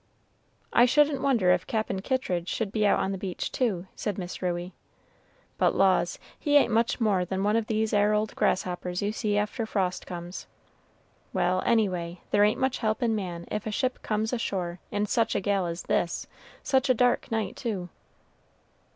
"I shouldn't wonder if Cap'n Kittridge should be out on the beach, too," said Miss Ruey; "but laws, he ain't much more than one of these 'ere old grasshoppers you see after frost comes. Well, any way, there ain't much help in man if a ship comes ashore in such a gale as this, such a dark night too."